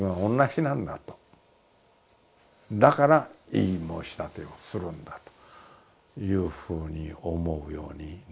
だから異議申し立てをするんだというふうに思うようになってきたらね